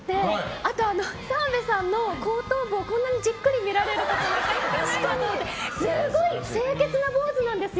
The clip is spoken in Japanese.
あと澤部さんの後頭部をこんなにじっくり見られることはないと思ってすごい清潔な坊主なんですよ。